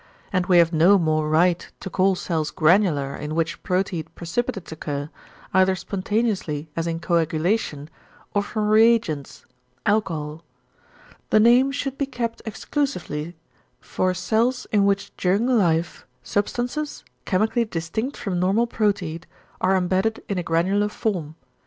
And we have no more right to call cells granular in which proteid precipitates occur, either spontaneously as in coagulation, or from reagents (alcohol). The name should be kept exclusively for cells in which during life substances, chemically distinct from normal proteid, are embedded in a granular form.